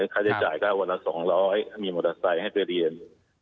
เขาจะจ่ายค่าวันละ๒๐๐บาทมีมอเตอร์ไซส์ให้ไปเรียน